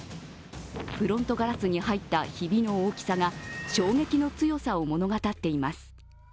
フロントガラスに入ったひびの大きさが衝撃の強さを物語っています。